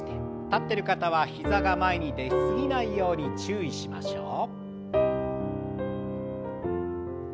立ってる方は膝が前に出過ぎないように注意しましょう。